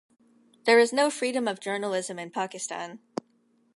There is no freedom of journalism in Pakistan.